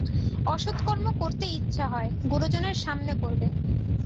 অসৎ কর্ম করতে ইচ্ছা হয়, গুরুজনের সামনে করবে।